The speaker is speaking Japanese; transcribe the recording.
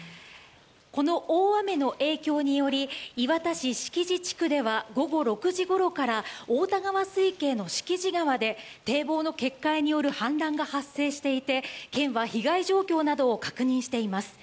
この大雨の影響により磐田市敷地地区では午後６時ごろから太田川水系の敷地川で堤防の決壊による氾濫が発生していて県は被害状況などを確認しています。